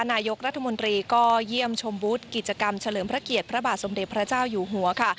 นายกรัฐมนตรีก็เยี่ยมชมบุตรกิจกรรมเฉลิมพระเกียรติพระบาทสมเด็จพระเจ้าอยู่หัวค่ะ